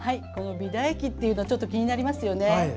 美唾液というのちょっと気になりますよね。